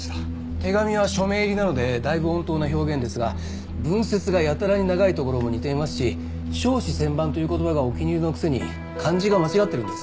手紙は署名入りなのでだいぶ穏当な表現ですが文節がやたらに長いところも似ていますし笑止千万という言葉がお気に入りのくせに漢字が間違ってるんです。